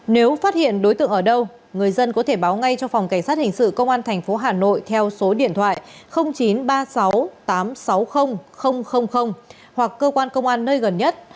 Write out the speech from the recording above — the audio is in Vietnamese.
nếu phát hiện đối tượng ở đâu người dân có thể báo ngay cho phòng cảnh sát hình sự công an tp hà nội theo số điện thoại chín trăm ba mươi sáu tám trăm sáu mươi hoặc cơ quan công an nơi gần nhất